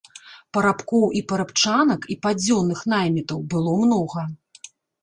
Парабкоў і парабчанак і падзённых наймітаў было многа.